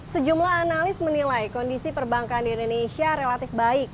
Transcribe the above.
sejumlah analis menilai kondisi perbankan di indonesia relatif baik